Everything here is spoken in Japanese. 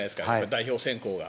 代表選考が。